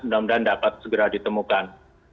mudah mudahan dapat segera ditemukan